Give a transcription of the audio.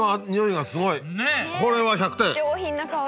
これは１００点！